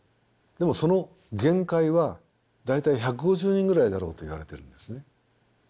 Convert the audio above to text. でもその限界は大体１５０人ぐらいだろうといわれているんですね。